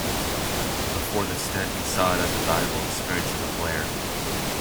Before the stint, he saw it as a valuable experience as a player.